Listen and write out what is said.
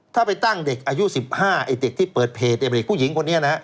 ถ้าไปตั้งเด็กอายุ๑๕ไอ้เด็กที่เปิดเพจไอ้เด็กผู้หญิงคนนี้นะฮะ